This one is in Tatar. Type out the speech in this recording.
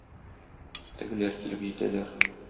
Тегеләр килеп җитәләр.